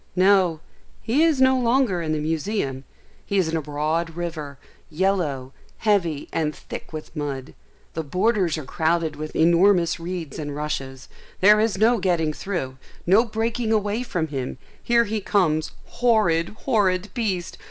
No, he is no longer in the museum; he is in a broad river, yellow, heavy, and thick with mud; the borders are crowded with enormous reeds and rushes; there is no getting through; no breaking away from him; here he comes; horrid, horrid beast!